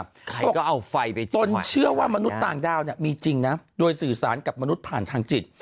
เขาก็เอาไฟไปตนเชื่อว่ามนุษย์ต่างดาวเนี่ยมีจริงนะโดยสื่อสารกับมนุษย์ผ่านทางจิต